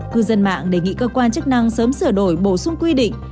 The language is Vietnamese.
cư dân mạng đề nghị cơ quan chức năng sớm sửa đổi bổ sung quy định